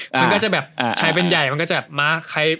มันก็จะแบบใช้เป็นใหญ่